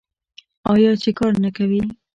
آیا چې کار نه کوي؟